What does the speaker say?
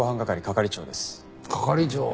係長！